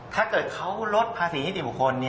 ถ้าเกิดเขาลดภาษีนิติบุคคล